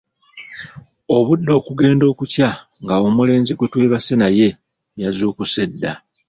Obudde okugenda okukya nga omulenzi gwetwebase naye yazuukuse dda.